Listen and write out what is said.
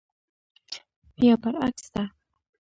یا برعکس ده.